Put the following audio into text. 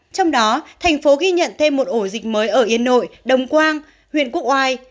trong đó thành phố ghi nhận thêm một ổ dịch mới ở yên nội đồng quang huyện quốc oai